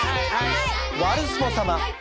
ワルスポ様。